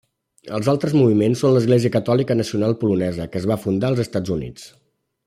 Els altres moviments són l'Església Catòlica Nacional Polonesa que es va fundar als Estats Units.